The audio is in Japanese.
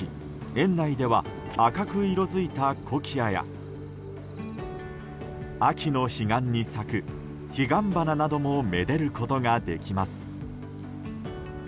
園内では赤く色づいたコキアや秋の彼岸に咲くヒガンバナなども愛でることができます。